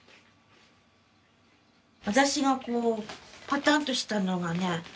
私がこうパタンとしたのがね